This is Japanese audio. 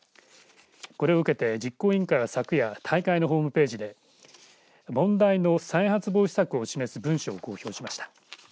これを受けて実行委員会は昨夜大会のホームページで問題の再発防止策を示す文書を公表しました。